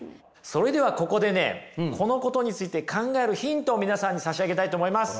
それではここでねこのことについて考えるヒントを皆さんに差し上げたいと思います。